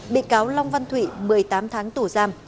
bị cáo long văn thụy một mươi tám tháng tù giam